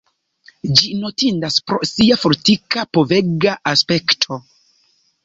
Ĝi notindas pro sia fortika povega aspekto.